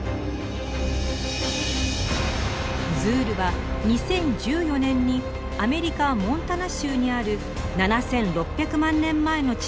ズールは２０１４年にアメリカモンタナ州にある７，６００万年前の地層から発見されました。